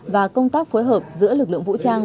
và công tác phối hợp giữa lực lượng vũ trang